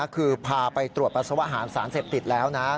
คือพาไปตรวจปัสสาวะหารสารเสพติดแล้วนะ